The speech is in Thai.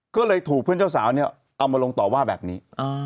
ก็เลยถูกเพื่อนเจ้าสาวเนี่ยเอามาลงต่อว่าแบบนี้